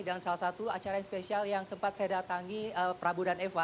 dan salah satu acara yang spesial yang sempat saya datangi prabu dan eva